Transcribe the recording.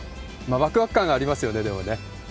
わくわく感がありますよね、でもね。